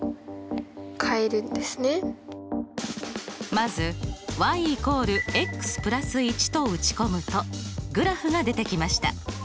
まず＝＋１と打ち込むとグラフが出てきました。